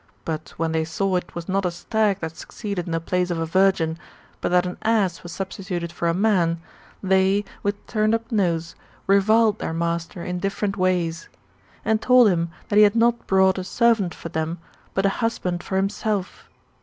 But when they saw it was not a stag that succeeded in the place of a virgin,^ but that an ass was substituted for a man, they. With turned up nose, reviled their master in different ways j and told him that he had not brought a servant for them, but a husband for himself.